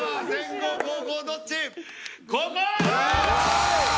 後攻！